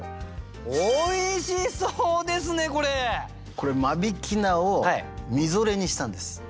これ間引菜をみぞれにしたんです。